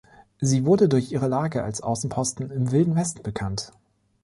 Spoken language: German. Sie wurde durch ihre Lage als Außenposten im „Wilden Westen“ bekannt.